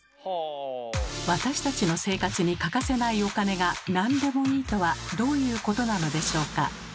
私たちの生活に欠かせないお金が「なんでもいい」とはどういうことなのでしょうか？